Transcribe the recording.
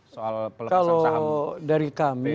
soal pelepasan saham